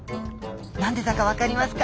何でだかわかりますか？